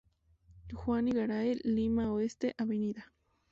Juan de Garay, Lima Oeste, Av.